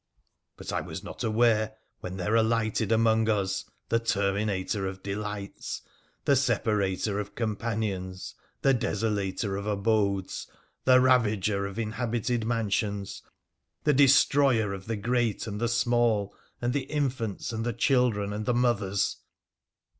But I was not aware when there alighted among us the terminator of delights, the separator of companions, the desolator of abodes, the ravager of inhabited mansions, the destroyer of the great and the small, and the infants, and the chil dren, and the mothers.